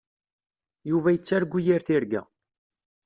Yuba yettargu yir tirga.